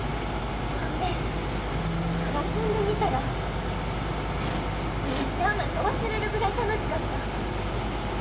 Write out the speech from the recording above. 空飛んでみたらプレッシャーなんか忘れるぐらい楽しかった。